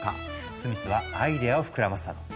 スミスはアイデアを膨らませたの。